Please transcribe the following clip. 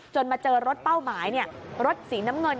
มาเจอรถเป้าหมายรถสีน้ำเงิน